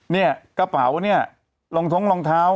เนี่ยกระเป๋าเนี่ยรองท้องรองเท้า